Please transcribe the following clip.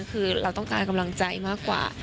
คือเราต้องการกำลังใจมากกว่า